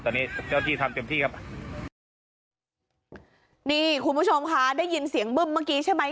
ตอนนี้เจ้าที่ทำเต็มที่ครับนี่คุณผู้ชมค่ะได้ยินเสียงบึ้มเมื่อกี้ใช่ไหม